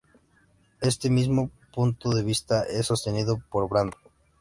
Este mismo punto de vista es sostenido por Brandon.